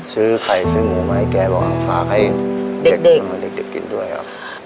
ซื้อไข่ซื้อหมูไม้แกบอกฝากให้เด็กกินด้วยครับ